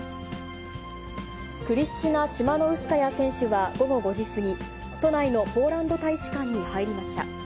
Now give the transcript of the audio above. クリスチナ・チマノウスカヤ選手は午後５時過ぎ、都内のポーランド大使館に入りました。